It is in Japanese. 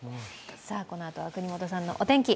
このあとは國本さんのお天気。